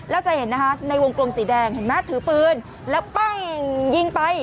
แล้วจะเห็นนะคะในวงกลมสีแดงเห็นไหมถือปืนแล้วปั้งยิงไป